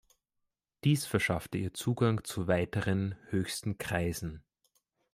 Dies verschaffte ihr Zugang zu weiteren „höchsten Kreisen“.